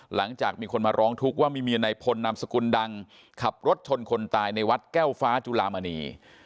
หลังจากมีคนมาร้องทุกข์ว่ามีเมียในพลนามสกุลดังขับรถชนคนตายในวัดแก้วฟ้าจุลามณี